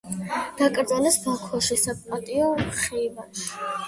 დაკრძალეს ბაქოში საპატიო ხეივანში.